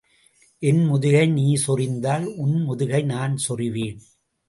என் முதுகை நீ சொறிந்தால் உன் முதுகை நான் சொறிவேன்.